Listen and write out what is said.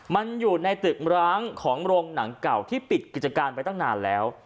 มันอยู่ในตึกร้างของโรงหนังเก่าที่ปิดกิจการไปตั้งนานแล้ว